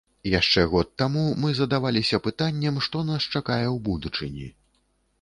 Яшчэ год таму мы задаваліся пытаннем, што нас чакае ў будучыні.